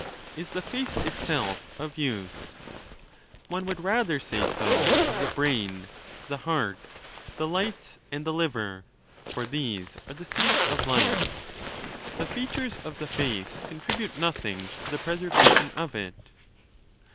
Is the face itself of use ? One would rather say so of the brain, the heart, the lights, and the liver; for these arc the seats of lif e. The features of the face contribute nothing to the preser vation of it.